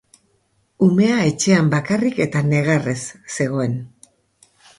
Umea etxean bakarrik eta negarrez zegoen.